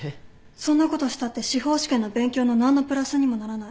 そんなことしたって司法試験の勉強の何のプラスにもならない。